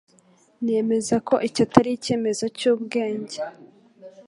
Ntekereza ko icyo atari icyemezo cyubwenge.